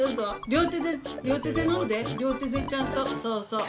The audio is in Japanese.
両手で両手で飲んで両手でちゃんとそうそう。